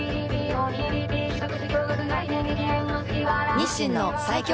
日清の最強